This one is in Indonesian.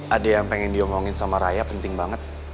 ada yang pengen diomongin sama raya penting banget